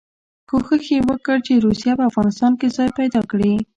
کوښښ یې وکړ چې روسیه په افغانستان کې ځای پیدا کړي.